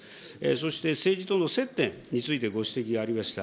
そして政治との接点についてご指摘がありました。